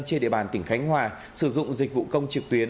trên địa bàn tỉnh khánh hòa sử dụng dịch vụ công trực tuyến